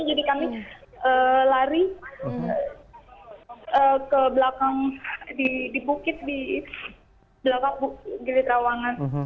jadi kami lari ke belakang di bukit di belakang gili trawangan